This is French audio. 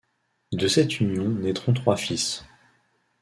De cette union naîtront trois fils.